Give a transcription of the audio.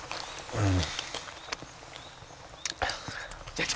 うん！